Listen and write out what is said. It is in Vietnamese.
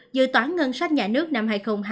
dự toán ngân sách nhà nước năm hai nghìn hai mươi